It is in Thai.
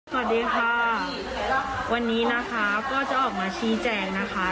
สวัสดีค่ะวันนี้นะคะก็จะออกมาชี้แจงนะคะ